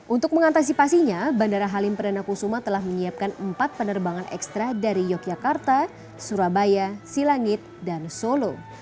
untuk mengantisipasinya bandara halim perdana kusuma telah menyiapkan empat penerbangan ekstra dari yogyakarta surabaya silangit dan solo